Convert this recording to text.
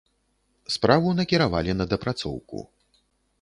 Справу накіравалі на дапрацоўку.